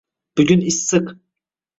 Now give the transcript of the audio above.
Bugun issiq